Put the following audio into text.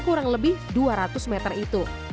kurang lebih dua ratus meter itu